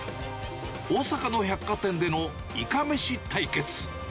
大阪の百貨店でのいかめし対決。